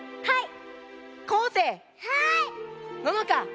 はい！